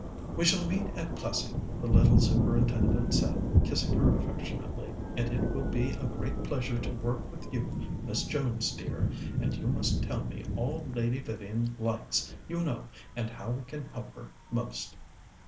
"We shall meet at Plessing," the little Superintendent said, kissing her affectionately, "and it will be a great pleasure to work with you, Miss Jones dear, and you must tell me all Lady Vivian likes, you know, and how we can help her most."